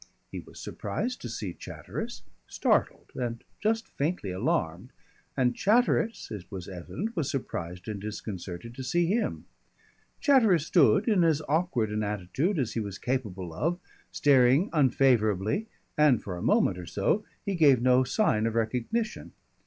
He was surprised to see Chatteris, startled and just faintly alarmed, and Chatteris it was evident was surprised and disconcerted to see him. Chatteris stood in as awkward an attitude as he was capable of, staring unfavourably, and for a moment or so he gave no sign of recognition.